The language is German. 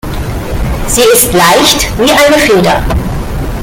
Sie ist leicht wie eine Feder.